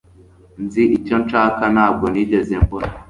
Nzi icyo nshaka Ntabwo nigeze mbona